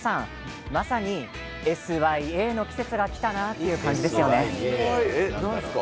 ＳＹＡの季節がきたという感じですよね。